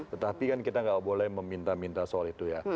tetapi kan kita nggak boleh meminta minta soal itu ya